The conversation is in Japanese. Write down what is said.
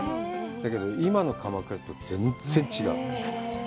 だけど、今の鎌倉と全然違う。